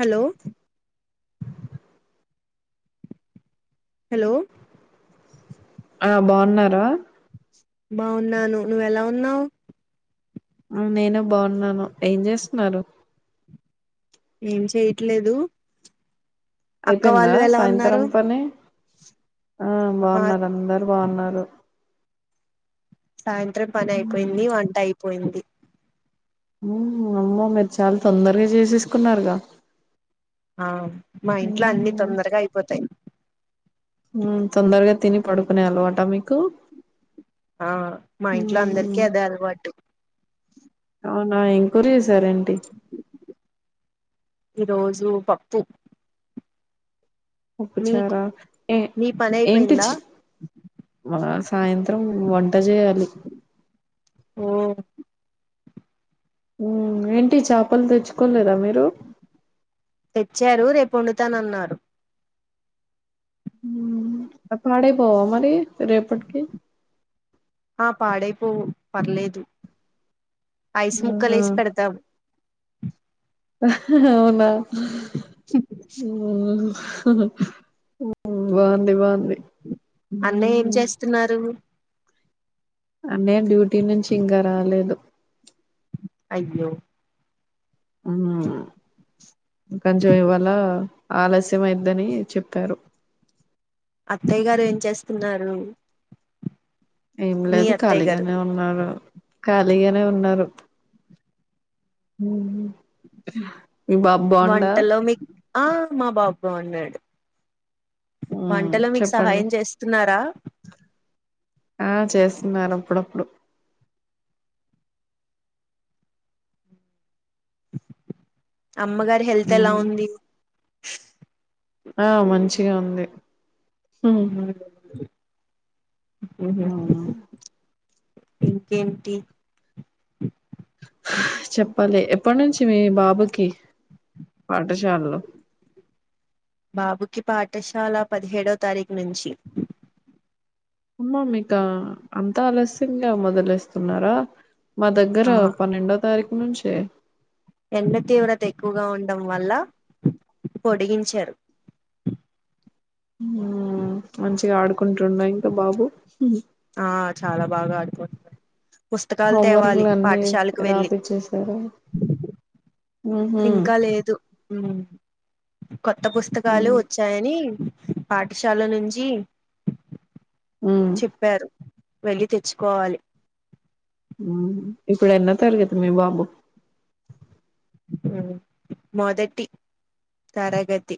Hello hello ఆ బాగున్నారా? బాగున్నాను. నువ్వెలా ఉన్నావు? ఆ నేను బాగున్నాను. ఏం చేస్తున్నారు? ఏం చెయట్లేదు. అయిపోయిందా ఉన్నారు సాయంత్రం పని ఆ బాగున్నారు అందరు బాన్నారు. సాయంత్రం పని ఉమ్, అయిపోయింది, వంట అయిపోయింది. ఉమ్ అమ్మో మీరు చాలా తొందరగా చేసేసుకున్నారుగా ఆ మా ఇంట్లో అన్ని ఉమ్, తొందరగా అయిపోతాయ్. తొందరగా తిని పడుకునే అలవాట మీకు ఆ మా ఇంట్లో అందరికిీ ఉమ్, అదే అలవాటు. అవునా ఇం కూర చేశారంటి? ఈరోజు పప్పు మీకు ఉప్పుచారా ఏ మీ పని ఏంటి అయిపోయిందా చి మ సాయంత్రం వంట చేయాలి. ఉమ్ ఏంటి చేపలు తెచ్చుకోలేదా మీరు తెచ్చారు రేపు వండుతానన్నారు ఉమ్ అవి పడైపోవ మరి రేపట్కి ఆ పాడైపోవు పర్లేదు ఐస్ ముక్కలు ఆహా. వేసి పెడతాము. అవునా ఉమ్ ఉ బాగుంది బాగుంది అన్నయ్య ఏం హ్మ్ చేస్తున్నారు? అన్నయ డ్యూటీ నుంచి ఇంకా రాలేదు. అయ్యో అవున కొంచెం ఇవాళ ఆలస్యం అయిద్దని చెప్పారు అత్తయ్య గారు ఏం చేస్తున్నారు ఏం మీ లేదు అత్తయ్య గారు ఖాళీగానే ఉన్నారు ఖాళీగానే ఉన్నారు మీ బాబ్ బోండా మీ ఆ మా బాబు బోనాడు హ్మ్ వంటలో మీకు చెప్పండి సహాయం చేస్తున్నారా. ఆ చేస్తున్నారు అప్పుడప్పుడు అమ్మగారి హెల్త్ ఎలా హ్మ్ ఉంది ఆ మంచిగా ఉంది ఉహు హ్మ్ ఇంకేంటి చెప్పాలి ఎప్పటి నుంచి మీ బాబు కి పాఠశాలలో బాబుకి పాఠశాల పదిహేడవ తారీఖు నుంచి అమ్మా మీకా అంతా ఆలస్యంగా మొదలేస్తున్నారా మా దగ్గర ఆ పన్నెండో తారీఖు నుంచే ఎండ తీవ్రత ఎక్కువగా ఉండడం వల్ల పొడిగించారు మంచిగా ఆడుకుంటుండా ఇంకా బాబు ఉమ్ ఆ చాలా బాగా ఆడుకుంటూ పుస్తకాలు తేవాలి పాఠశాలకు వెళ్ళి చేశారా ఇంకా లేదు కొత్త పుస్తకాలు మ్మ్ వచ్చి వచ్చాయని పాఠశాల నుంచి మ్మ్ చెప్పారు వెళ్లి తెచ్చుకోవాలి ఆ ఇప్పుడు ఎన్నో తరగతి మీ బాబు మొదటి తరగతి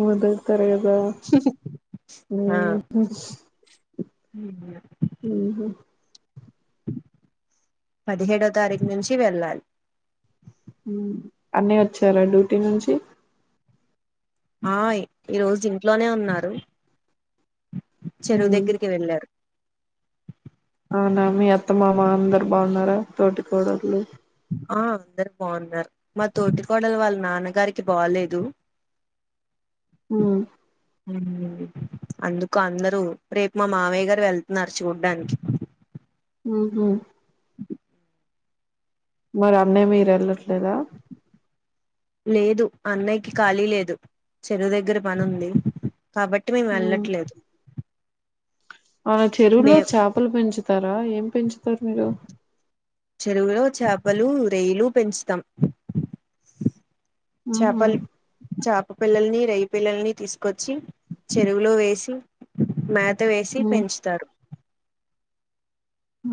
మొదటి తరగతా ఊ హుచ్ ఉమ్ యా ఉ పదిహేడో తారీఖు నుంచి వెళ్ళాలి ఉమ్ అన్నయా వచ్చారా డ్యూటీ నుంచి ఆ ఈ రోజు ఇంట్లోనే ఉన్నారు చెరువు మ్మ్ దగ్గరికి వెళ్ళారు అవునా మీ అత్తమామ అందరు బాగున్నారా తోటి కోడళ్లు ఆ అందరు బాగున్నారు మా తోటి కోడలు వాళ్ళ నాన్నగారికి బాలేదు హ అందుకు అందరూ రేపు మా మామయ్య గారు వెళ్తున్నారు చూడ్డానికి ఉహుం మరి అన్నయ్య మీరు వెళ్లట్లేదా లేదు అన్నయ్యకి ఖాళీ లేదు చెరువు దగ్గర పని ఉంది కాబట్ అట్టి మేము ఉమ్ వెళ్ళలట్లేదు ఆ చెరువులో మే చేపలు పెంచుతారా ఏం పెంచుతారు మీరు చెరువులో చేపలు రెయ్యలు పెంచుతాం ఆహా చాపలు చేప పిల్లల్ని రెయ పిల్లల్ని తీసుకొచ్చి చెరువులో వేసి మ మాత వేసి ఉమ్ పెంచుతారు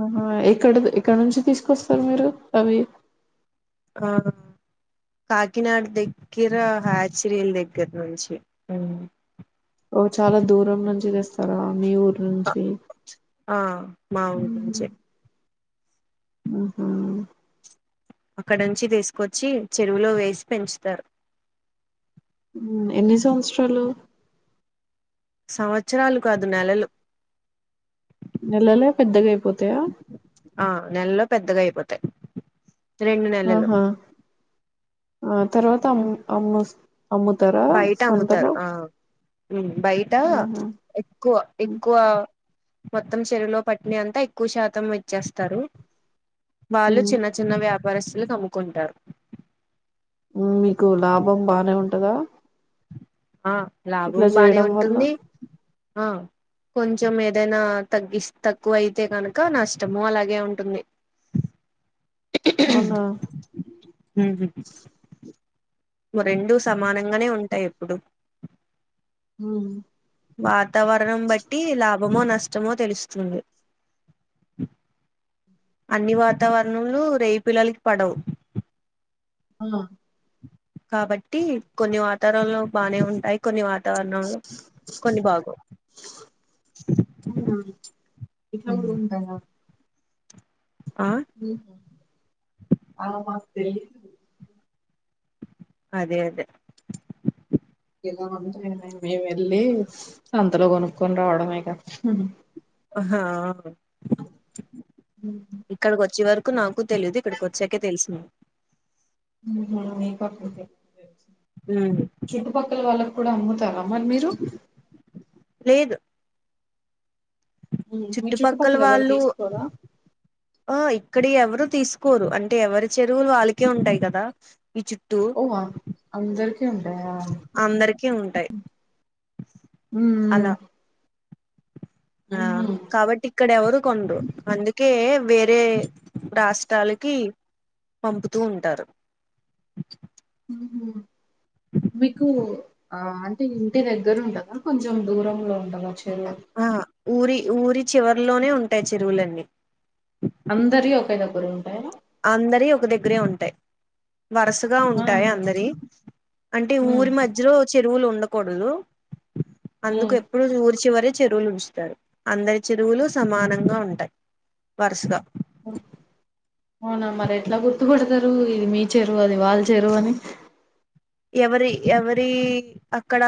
ఆహా ఎక్కడ ఎక్కడ నుంచి తీసుకొస్తారు మీరు అవి ఆ కాకినాడ దగ్గర హాచరేల్ దగ్గర నుంచి ఓ చాలా దూరం నుంచి తెస్తారా మీ ఊరు నుంచి ఆ మా ఊరి వ్మ్ నుంచే ఆహ అక్కడ నుంచి తీసుకొచ్చి చెరువులో వేసి పెంచుతారు ఉమ్ ఎన్ని సంవత్సరాలు సంవత్సరాలు కాదు నెలలు నెలలే పెద్దగా అయిపోతాయా ఆ నెలలో పెద్దగా అయిపోతాయి రెండు నెలలు ఆహా ఆ తర్వాత అమ్ అమ్ అమ్ తర సంతలో ఉమ్ బయట ఆహా ఎక్కువ ఉమ్ ఎక్కువ మొత్తం చెరవులో పట్టిని అంతా ఎక్కువ శాతం ఇచ్చేస్తారు వాళ్ళు ఉమ్. చిన్న చ చిన్న వ్యాపారస్తులకి అమ్ముకుంటారు మీకు లాభం బానే ఉంటదా ఆ ఇట్లా లాభం బానే చేయడం వల్ల ఉంటుంది ఆ కొంచెం ఏదైనా తగ్గి తక్కువ అయితే కనుక నష్టము అలాగే ఉంటుంది అవునా ఉహు మో రెండు సమానంగానే ఉంటాయి ఎప్పుడు ఆ వాతావరణం బట్టి లాభమో నష్టమో తెలుస్తుంది అన్ని వాతావరనంములు రేయి పిల్లలకి పడవు ఆ కాబట్టి కొన్ని వాతారల్లో బానే ఉంటాయి కొన్ని వాతావరణంములు కొన్ని బాగోవు ఉమ్ ఇట్లా కూడ ఉంటాయా ఆ ఆ మాకు తెలీదు అదే అదే ఇలా ఉంటాయ మేము వెళ్ళి సంతలో కొనుక్కొని రావడమే కదా ఆహా ఆ ఉహు ఇక్కడికి వచ్చే వరకు నాకు తెలీదు ఇక్కడికి వచ్చాకే తెలిసింది ఉమ్ మీ పక్క అప్పుటికేనా తెలిసింద్ ఉమ్ చుట్టుపక్కల వాళ్ళకు కూడా అమ్ముతారా మరి మీరు లేదు మీ చుట్టుపక్కల ఎవరు వాళ్ళు తీసుకోరా ఆ ఇక్కడ ఎవరు తీసుకోరు అంటే ఎవరి చెరువులు వాళ్ళకే ఉంటాయి కదా ఈ చుట్ ఓ అ అందరికి ఉంటాయా అందరికిీ ఉంటాయి ఉమ్ అలా ఆ మ్మ్. కాబట్టి ఇక్కడెవరు కొన్రు అందుకే వేరే రాష్ట్రాలకి పంపుతూ ఉంటారు మీకు ఆ అంటే ఇంటి దగ్గర ఉంటాదా కొంచెం కొంచెం దూరంలో ఉండవా చెరువుల్ ఆ ఊరి ఊరి చివరిలోనే ఉంటాయి చెరువులన్నీ అందరియి ఒకే దగ్గర ఉంటాయా అందరియి ఒక దగ్గరే ఉంటాయి వరసగా ఆ ఉంటాయి అందరియి అంటే ఉమ్ ఊరి మధ్యలో చెరువులు ఉండకూడదు అందుకు ఉమ్ ఎ ప్పుడు ఊర్చివరే చెరువులు ఉంచుతారు అందరి చెరువులు సమానంగా ఉంటాయి వరసగా అవునా మరి ఎట్లా గుర్తుపడతారు ఇది మీ చెరువు అది వాళ్ళ చెరువు అని ఎవరి ఎవరీ అక్కడ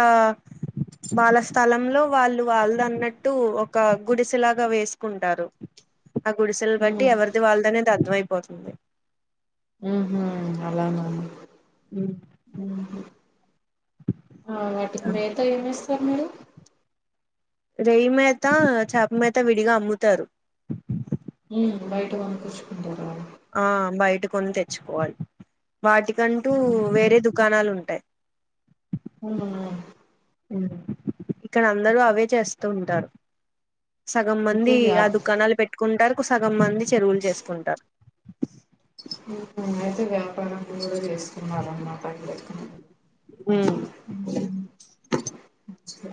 వాళ్ళ స్థలంలో వాళ్ళు వాళ్ళదన్నట్టు ఒక గుడిసెలాగా వేసుకుంటారు ఆ గుడిసెలు బట్టి ఎవరిది వాళ్ళదనేది అర్థంమయిపోతుంది అహ అలాన ఉమ్ ఉహు ఆ వాటికి మేత ఏమేస్తారు మీరు రెయ్యి మేత చేప మేత విడిగా అమ్ముతారు ఆ బయట కొనకచుకుంటారు ఆ బయట కొని తెచ్చుకోవాలి వాటికంటూ వేరే దుకాణాలు ఉంటాయి ఆ ఇక్కడ అందరూ అవే చేస్తూ ఉంటారు సగం అయితే మంది ఆ వ్యాప్ దుకాణాలు పెట్టుకుంటారు సగం మంది చెరువులు చేసుకుంటారు అయితే వ్యాపార కూడా చేస్తున్నారనమాట అయితే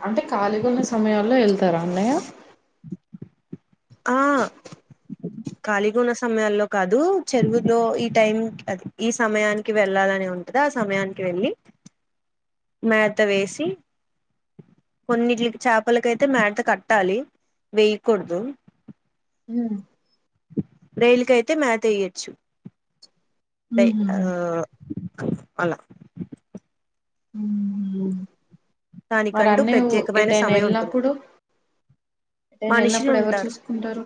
అంటే ఖాళీగా ఉన్న సమయాల్లో వెళ్తారా అన్నయ్య ఖాలిగా ఉన్న సమయాల్లో కాదు చెరువులో ఈ టైం అ ఈ సమయానికి వెళ్ళాలని ఉం కదా సమయానికి వెళ్ళి మేత వేసి కొన్నిట్లకి చేపలకయితే మేత కట్టాలి వేయకూడదు ఉమ్ రొయ్యల కి అయితే మేత వెయ్యొచ్చు ఉంటాయి హుహుహు. ఆ అలా హుహు. మరి దానికంటూ అన్నయ ప్రత్యేకమైన ఎటైనా సమయం ఉంటుంది వెళ్ళినప్పుడు ఎటయినా మనుషులు వెళ్ళినప్పుడు ఎవరు ఉంటారు చూసు ఉంటారు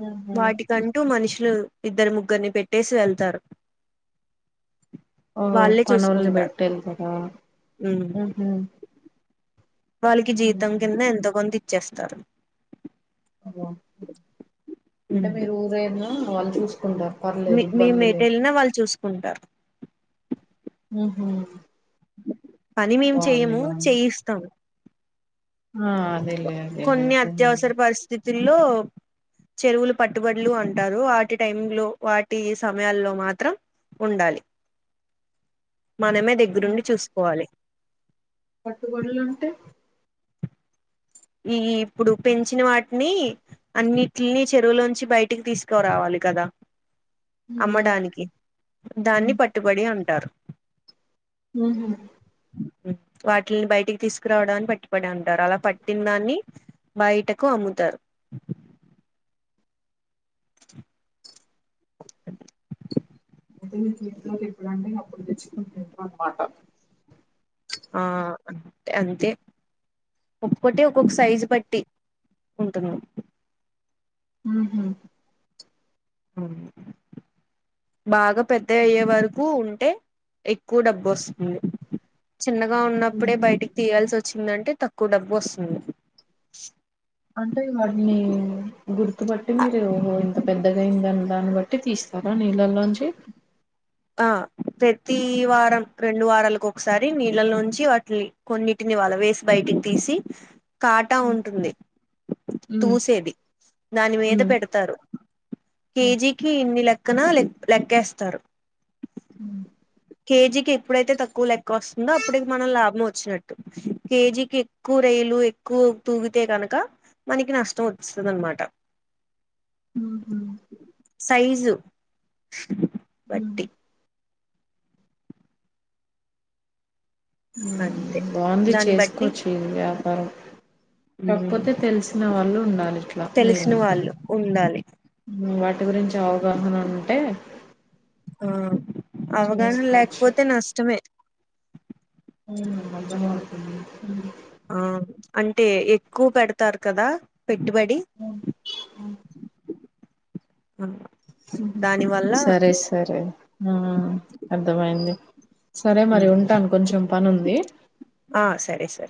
హు హమ్ కంటూ మనుషులు ఇద్దరు ముగ్గురిని పెట్టేసి వెళ్తారు ఓ వాళ్ళే పనోల్లని చూసుకుంటారు పెట్టెలు కదా ఉమ్ ఉహు వాళ్ళకి జీతం కింద ఉహు ఎంతోకొంత ఇచ్చేస్తారు ఓ [inaudible] అంటే మీరు ఊరెళ్ళిన వాళ్ళు చూసుకుంటారు పర్లేదు ఇబ్బంది లేదు మేమెటెల్నా వాళ్ళు చూసు ఉంటారు హు హమ్ పని మేము చేయము బాగుంది చేయిస్తాము ఆ అదేలేే కొన్ని అత్యవసర పరిస్థితుల్లో చెరువులు పట్టుబడులు అంటారు వాటి టైం లో వాటి సమయాల్లో మాత్రం ఉండాలి మనమే దగ్గరుండి చూసుకోవాలి పట్టుబడులు అంటే ఈ ఇప్పుడు పెంచిన వాటిని అన్నిట్లీని చెరువులోంచి బయటికి తీసుకోరావాలి కదా ఉహు అమ్మడానికి దాన్ని పట్టుబడి అంటారు హూ హమ్ వాటిని బయటికి తీసుకురావడాన్ని పట్టిపడి అంటారు అలా పట్ తిన్నన్ని బయటకు అమ్ముతారు అయితే నీకు ఏప్పుదండే అప్పుడు తెచ్చుకుంటుంట్రరు అనమాట [inaudible] ఆ అంతే ఒక్కటే ఒక్కొక్క సైజు పట్టి ఉంటున్నాం హూ హమ్ ఉ బాగా పెద్దగ అయ్యే వరకు ఉంటే ఎక్కువ డబ్బు వస్తుంది చిన్నగా ఉన్నప్పుడే బయటికి తీయాల్సి వచ్చిందంటే తక్కువ డబ్బు వస్తుంది. అంటే వాటిని గుర్తుబట్టి మీరు ఓహో ఇంత పెద్దగా ఆయిందని దాన్ని బట్టి తీస్ [unintelligible] నీళ్ళల్లోంచి ఆ ప్రతి వారం రెండు వారాలకు ఒక్కసారి నీళ్లలో నుంచి వాటిని కొన్నిటిని వలవేసి బయటికి తీసి, కాటా ఉంటుంది. ఉమ్ తూసేది దాని మీద ఉమ్ పెడతారు కేజీ కి ఇన్ని లెక్కన లె లెక్కేస్తారు. ఉమ్ కేజీకి ఎప్పుడైతే తక్కువ లెక్క వస్తుందో అప్పటికి మనకి లాభంలో వచ్చినట్టు కేజీకి ఎక్కు రైలు ఎక్కు పువ్వు తిననకా మనకి నష్టం వచ్చందన్నమాట ఉహు సైజు ఉహు బట్టి అంతే బాగుంది దాన్ని బట్టి చేసుకోవచ్చు ఇది వ్యాపారం మ్ కాకపోతే తెల్సు కున వాళ్ళు ఉండాలి ఇట్లా మీ తెలిసిన లాగా వాళ్ళు ఉండాలి వాటి గురించి అవగాహన ఉంటే ఆ అవగాహన చేసుకోవచ్చు లేకపోతే నష్టమే ఉమ్ అర్థమవుతుంది ఆ అంటే ఎక్కువ పెడతారు కదా పెట్టుబడి దానివల్ల సరే సరే అర్థమైంది సరే మరి మ్, ఉంటాను కొంచెం పని ఉంది ఆ సరే సరే